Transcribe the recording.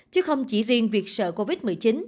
chứ không chỉ riêng việc sợ covid một mươi chín